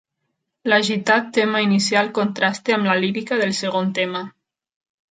L'agitat tema inicial contrasta amb la lírica del segon tema.